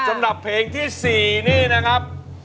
สำหรับเพลงที่๔นี่นะครับ